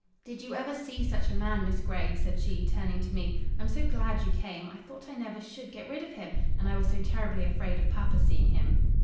"Did you ever see such a man, Miss Grey?" said she, turning to me; "I'm so glad you came! I thought I never should get rid of him; and I was so terribly afraid of papa seeing him."